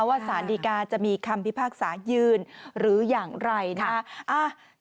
สารดีกาจะมีคำพิพากษายืนหรืออย่างไรนะคะ